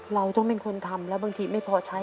เราต้องเป็นคนทำแล้วบางทีไม่พอใช้